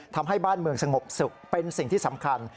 ทำให้บ้านเมืองสงบสุขเป็นสิ่งที่สำคัญ